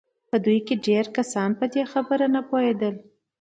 په دوی کې ډېر کسان پر دې خبره نه پوهېدل